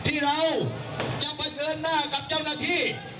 ที่เราจะเผชิญหน้ากับเจ้าหน้าที่